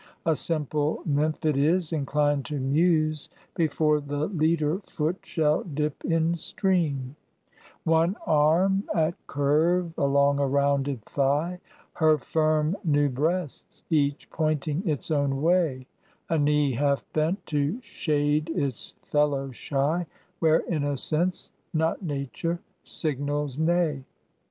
A simple nymph it is, inclined to muse Before the leader foot shall dip in stream: One arm at curve along a rounded thigh; Her firm new breasts each pointing its own way A knee half bent to shade its fellow shy, Where innocence, not nature, signals nay.